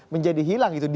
menjadi hilang gitu